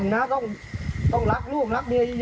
พ่อหยิบมีดมาขู่จะทำร้ายแม่แล้วขังสองแม่